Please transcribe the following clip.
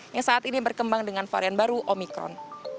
yang saat ini berkembang dengan varian baru omikron